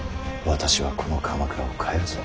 私はこの鎌倉を変えるぞ。